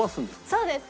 そうです。